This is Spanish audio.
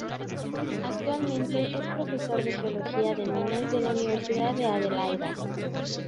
Actualmente es profesor de Geología de Minas de la Universidad de Adelaida.